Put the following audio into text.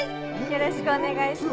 よろしくお願いします。